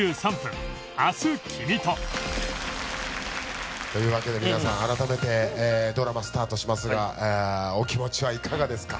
まずはというわけで皆さん改めてドラマスタートしますがお気持ちはいかがですか？